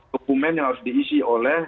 dokumen yang harus diisi oleh